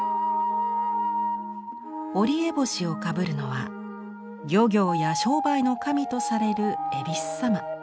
折烏帽子をかぶるのは漁業や商売の神とされる恵比寿様。